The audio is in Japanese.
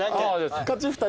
勝ち２人？